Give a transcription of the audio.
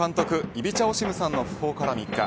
イビチャ・オシムさんの訃報から３日。